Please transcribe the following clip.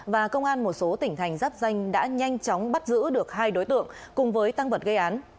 và công an một số tỉnh thành giáp danh đã nhanh chóng bắt giữ được hai đối tượng cùng với tăng vật gây án